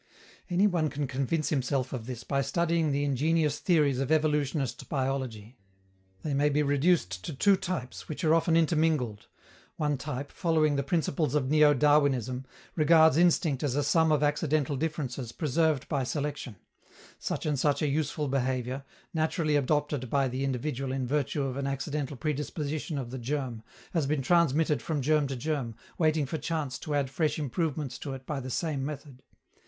Any one can convince himself of this by studying the ingenious theories of evolutionist biology. They may be reduced to two types, which are often intermingled. One type, following the principles of neo Darwinism, regards instinct as a sum of accidental differences preserved by selection: such and such a useful behavior, naturally adopted by the individual in virtue of an accidental predisposition of the germ, has been transmitted from germ to germ, waiting for chance to add fresh improvements to it by the same method.